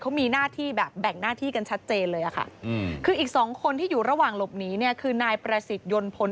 เขามีหน้าที่แบบแบ่งหน้าที่กันชัดเจนเลยอะค่ะคืออีกสองคนที่อยู่ระหว่างหลบหนีเนี่ยคือนายประสิทธิยนต์พล